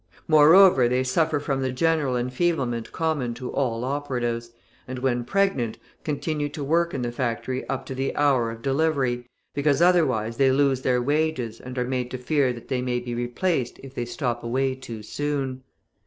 Moreover, they suffer from the general enfeeblement common to all operatives, and, when pregnant, continue to work in the factory up to the hour of delivery, because otherwise they lose their wages and are made to fear that they may be replaced if they stop away too soon.